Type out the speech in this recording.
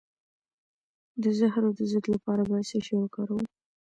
د زهرو د ضد لپاره باید څه شی وکاروم؟